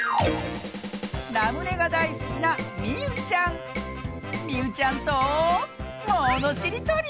ラムネがだいすきなみうちゃんとものしりとり！